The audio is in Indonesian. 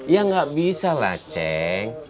ya nggak bisa lah ceng